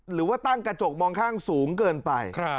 หรือว่าตั้งกระจกมองข้างสูงเกินไป